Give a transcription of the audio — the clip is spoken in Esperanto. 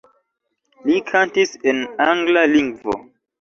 Li kantis en angla lingvo.